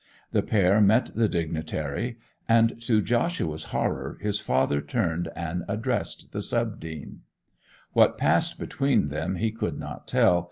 The pair met the dignitary, and to Joshua's horror his father turned and addressed the sub dean. What passed between them he could not tell.